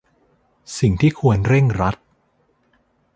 สิ่งที่ควรเร่งรัด